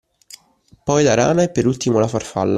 Poi la rana e per ultimo la farfalla.